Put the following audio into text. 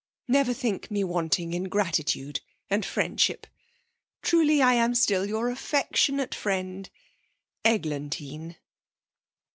Never think me wanting in gratitude and friendship. 'Truly, I am still your affectionate friend, 'EGLANTINE.'